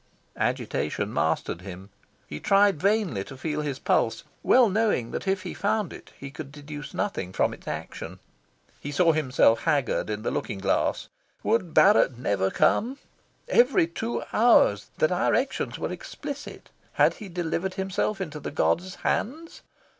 Agitation mastered him. He tried vainly to feel his pulse, well knowing that if he found it he could deduce nothing from its action. He saw himself haggard in the looking glass. Would Barrett never come? "Every two hours" the directions were explicit. Had he delivered himself into the gods' hands?